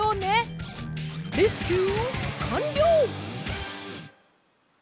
レスキューかんりょう！